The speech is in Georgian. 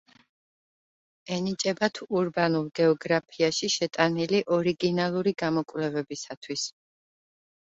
ენიჭებათ ურბანულ გეოგრაფიაში შეტანილი ორიგინალური გამოკვლევებისათვის.